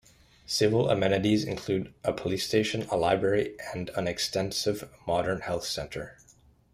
Civil amenities include a police station, a library and an extensive modern health centre.